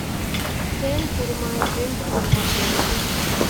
ސްކޭން ކުރުމާއި ޕްރިންޓް ކުރުމަށް ބޭނުންވެއްޖެ